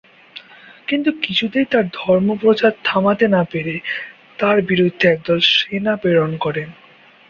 কিন্তু কিছুতেই তার ধর্ম প্রচার থামাতে না পেরে তার বিরুদ্ধে একদল সেনা প্রেরণ করে।